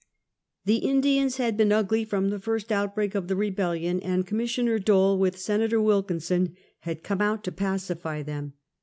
The Indians had been ugly from the first outbreak of the Rebellion, and Commissioner Dole, with Senator Wilkinson, had come out to pacify them.